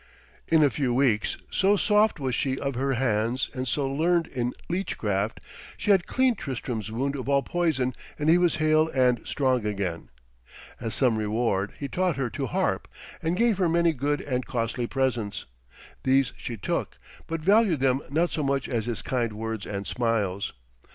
In a few weeks, so soft was she of her hands and so learned in leechcraft, she had cleaned Tristram's wound of all poison and he was hale and strong again. As some reward he taught her to harp, and gave her many good and costly presents. These she took, but valued them not so much as his kind words and smiles.